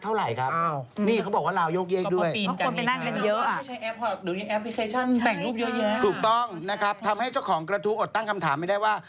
แต่งรูปเยอะเยอะถูกต้องนะครับทำให้เจ้าของกระทู้อดตั้งคำถามไม่ได้ว่า